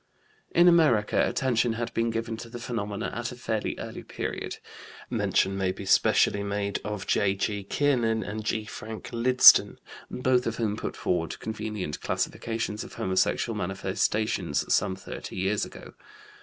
In America attention had been given to the phenomena at a fairly early period. Mention may be specially made of J.G. Kiernan and G. Frank Lydston, both of whom put forward convenient classifications of homosexual manifestations some thirty years ago.